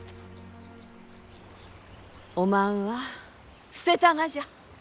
おまんは捨てたがじゃ。